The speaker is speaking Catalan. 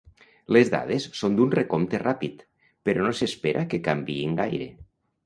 Les dades són d’un recompte ràpid, però no s’espera que canviïn gaire.